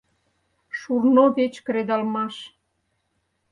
Шурно верч кредалмаш!